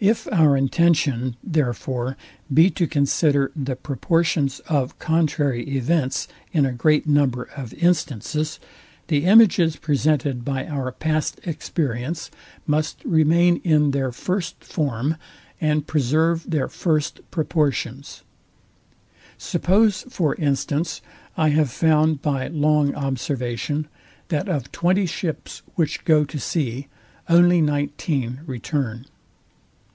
If our intention, therefore, be to consider the proportions of contrary events in a great number of instances, the images presented by our past experience must remain in their FIRST FORM, and preserve their first proportions. Suppose, for instance, I have found by long observation, that of twenty ships, which go to sea, only nineteen return.